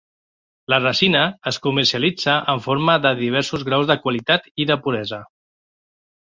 La resina es comercialitza en forma de diversos graus de qualitat i de puresa.